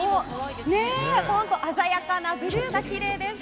鮮やかなブルーがきれいですね。